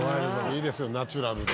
いいですよナチュラルで。